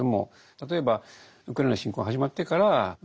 例えばウクライナの侵攻が始まってから再びですね